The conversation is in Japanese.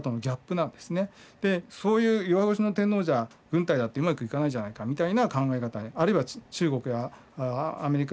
そういう弱腰の天皇じゃ軍隊だってうまくいかないじゃないかみたいな考え方あるいは中国やアメリカ